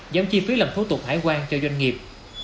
giảm chi phí làm thủ tục hải quan cho doanh nghiệp